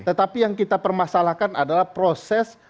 tetapi yang kita permasalahkan adalah proses